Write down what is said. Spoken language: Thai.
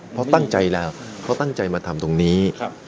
เพราะตั้งใจแล้วเขาตั้งใจมาทำตรงนี้